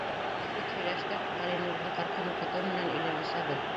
Беҙ бит һөйләштек: Ғәлинурҙың ҡырҡын уҡытыу менән өйләнешәбеҙ.